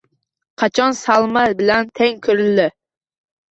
Qachon Salma bilan teng ko'rildi?